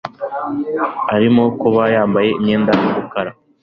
Arimo kuba yambaye imyenda yumukara.